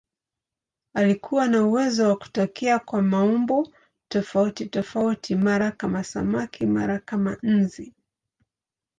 Alikuwa na uwezo wa kutokea kwa maumbo tofautitofauti, mara kama samaki, mara kama nzi.